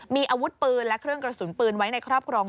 มีอาวุธปืนและเครื่องกระสุนปืนไว้ในครอบครอง